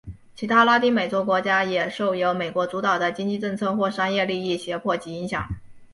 其他拉丁美洲国家也受由美国主导的经济政策或商业利益胁迫及影响。